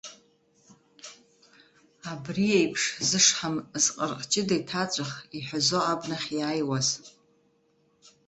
Абри еиԥш, зышҳам зҟырҟ-ҷыда иҭаҵәах, иҳәазо абнахь иааиуаз.